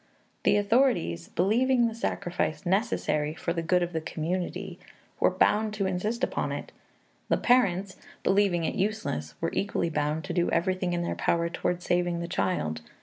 The authorities, believing the sacrifice necessary for the good of the community, were bound to insist upon it; the parents, believing it useless, were equally bound to do everything in their power toward saving the child.